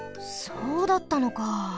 そうだったのか。